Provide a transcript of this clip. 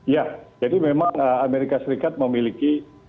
ya jadi memang amerika serikat memiliki